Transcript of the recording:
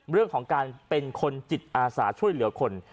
เรื่องของการเป็นคนจิตอาสาช่วยเหลือคน